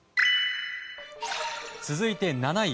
続いて７位。